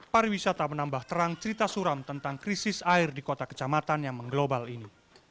pariwisata menambah terang cerita suram tentang krisis air di kota kecamatan yang mengglobal ini